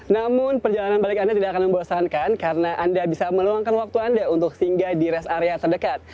namun perjalanan balik anda tidak akan membosankan karena anda bisa meluangkan waktu anda untuk singgah di rest area terdekat